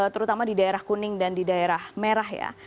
terutama di daerah kuning dan di daerah merah ya